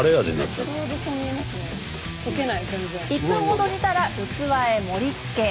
１分ほど煮たら器へ盛りつけ。